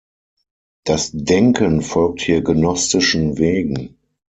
Das Denken folgt hier gnostischen Wegen.